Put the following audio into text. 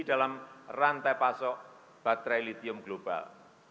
dalam rantai pasok baterai litium global